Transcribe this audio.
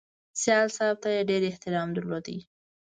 سیال صاحب ته یې ډېر احترام درلود